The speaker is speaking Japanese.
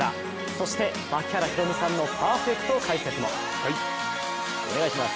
そして槙原寛己さんのパーフェクト解説も。